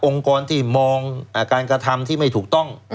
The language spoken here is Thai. กรที่มองการกระทำที่ไม่ถูกต้อง